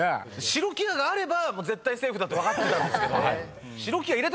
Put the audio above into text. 白木屋があればもう絶対セーフだって分かってたんですけど。